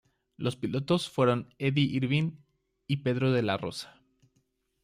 Los pilotos fueron Eddie Irvine y Pedro de la Rosa.